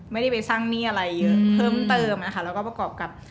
ไม่ได้ไปสร้างหนี้อะไรเยอะเพิ่มเติมค่ะ